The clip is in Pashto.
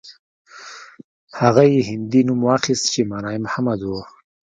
هغه يې هندي نوم واخيست چې مانا يې محمد و.